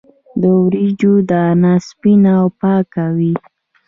د وریجو دانه سپینه او پاکه وي.